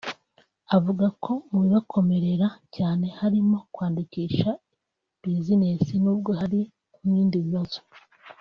avuga ko mu bibakomerera cyane harimo kwandikisha bizinesi n’ubwo hari n’ibindi bibazo